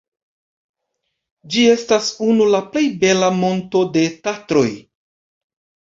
Ĝi estas unu la plej bela monto de Tatroj.